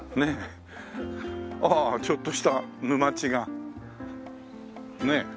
ちょっとした沼地がねえ。